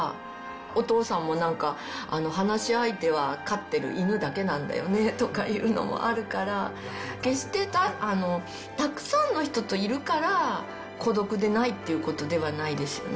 お父さんもなんか、話し相手は飼ってる犬だけなんだよねとかいうのもあるから、決して、たくさんの人といるから孤独でないってことではないですよね。